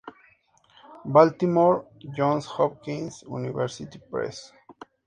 Baltimore: Johns Hopkins University Press.